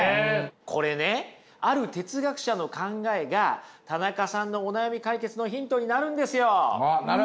これねある哲学者の考えが田中さんのお悩み解決のヒントになるんですよ！